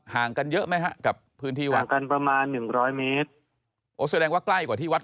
ห่างกันเยอะไหมครับกับพื้นที่วัด